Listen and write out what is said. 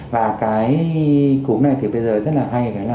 và cái cúm này thì bây giờ rất là hay